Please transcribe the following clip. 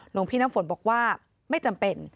หลวงพี่น้ำฝนบอกว่าไม่จำเป็น